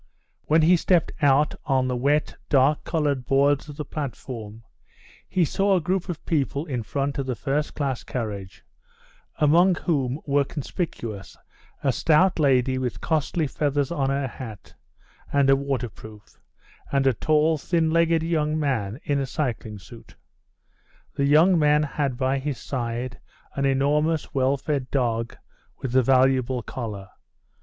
When he stepped out on the wet, dark coloured boards of the platform, he saw a group of people in front of the first class carriage, among whom were conspicuous a stout lady with costly feathers on her hat, and a waterproof, and a tall, thin legged young man in a cycling suit. The young man had by his side an enormous, well fed dog, with a valuable collar.